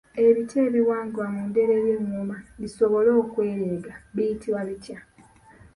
Ebiti ebiwangibwa mu ndere ly’engoma lisobole okwereega biyitibwa bitya?